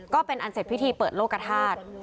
ก็เป็นอันเสร็จพิธีเปิดโลกธาตุ